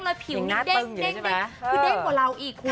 แล้วผิวนี้เด้งเด้งกว่าเราอีกคุณ